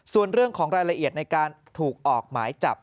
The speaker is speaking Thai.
ส่วนเรื่องของรายละเอียดในการถูกออกหมายจับ